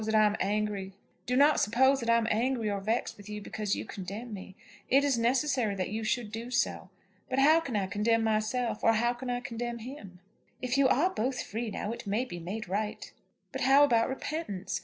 Do not suppose that I am angry or vexed with you because you condemn me. It is necessary that you should do so. But how can I condemn myself; or how can I condemn him?" "If you are both free now, it may be made right." "But how about repentance?